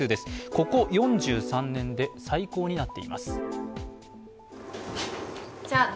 ここ４３年で最高になっています。